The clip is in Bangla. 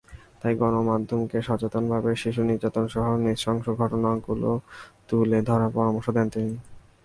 তাই গণমাধ্যমকে সচেতনভাবে শিশু নির্যাতনসহ নৃশংস ঘটনাগুলো তুলে ধরার পরামর্শ দেন তিনি।